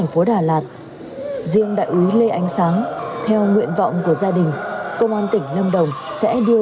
thành phố đà lạt riêng đại úy lê ánh sáng theo nguyện vọng của gia đình công an tỉnh lâm đồng sẽ đưa